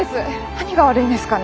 何が悪いんですかね。